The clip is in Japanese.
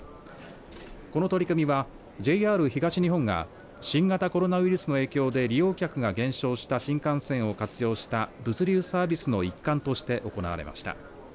この取り組みはＪＲ東日本が新型コロナウイルスの影響で利用客が減少した新幹線を活用した物流サービスの一環として行われました。